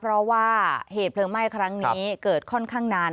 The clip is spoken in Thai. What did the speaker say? เพราะว่าเหตุเพลิงไหม้ครั้งนี้เกิดค่อนข้างนาน